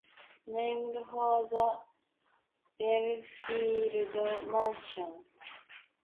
Named for the Belfield Mansion.